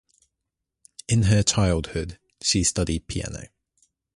In her childhood she studied piano.